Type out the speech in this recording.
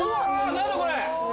何だこれ。